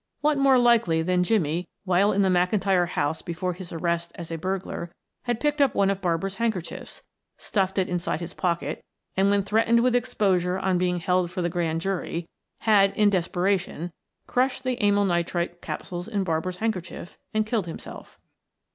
What more likely than that Jimmie, while in the McIntyre house before his arrest as a burglar, had picked up one of Barbara's handkerchiefs, stuffed it inside his pocket, and when threatened with exposure on being held for the grand jury, had, in desperation, crushed the amyl nitrite capsules in Barbara's handkerchief and killed himself.